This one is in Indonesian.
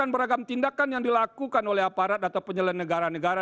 beragam tindakan yang dilakukan oleh aparat atau penyelenggara negara